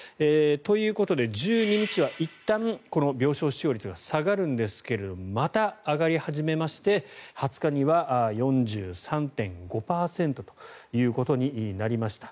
ということで１２日はいったん病床使用率が下がるんですがまた、上がり始めまして２０日には４３．５％ということになりました。